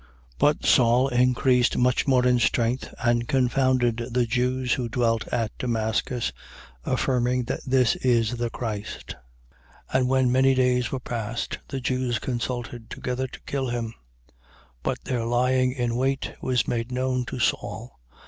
9:22. But Saul increased much more in strength and confounded the Jews who dwelt at Damascus, affirming that this is the Christ. 9:23. And when many days were passed, the Jews consulted together to kill him. 9:24. But their lying in wait was made known to Saul.